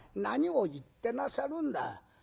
何を言ってなさるんだ。